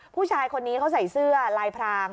ผู้ชายคนนี้เขาใส่เสื้อลายพราง